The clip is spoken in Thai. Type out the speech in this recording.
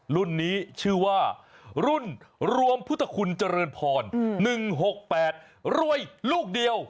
รุ่นนี้ชื่อว่ารุ่นรวมพุทธคุณเจริญพร๑๖๘รวยลูกเดียว